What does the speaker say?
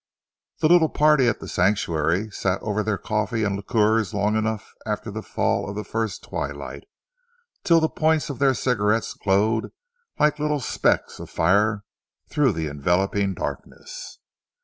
The little party at The Sanctuary sat over their coffee and liqueurs long after the fall of the first twilight, till the points of their cigarettes glowed like little specks of fire through the enveloping darkness.